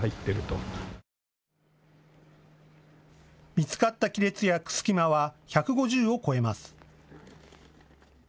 見つかった亀裂や隙間は１５０を超えます。